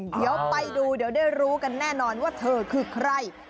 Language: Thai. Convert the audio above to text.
เดี๋ยวไปดูเดี๋ยวได้รู้กันแน่นอนว่าเธอคือใคร